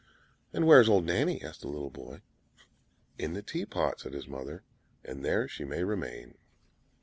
"And where is old Nanny?" asked the little boy. "In the tea pot," said his mother; "and there she may remain."